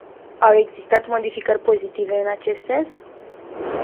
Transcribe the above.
Au existat modificări pozitive în acest sens?